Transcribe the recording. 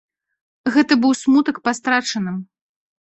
Гэта быў смутак па страчаным.